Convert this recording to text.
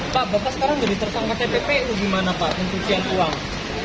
pak bakal sekarang jadi tersangka tpp gimana pak untuk siang uang